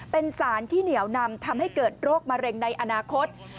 เป็นสารที่เหนียวนำทำให้เกิดโรคมะเร็งในอนาคต